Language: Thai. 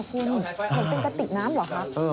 เหมือนเป็นกะติกน้ำเหรอ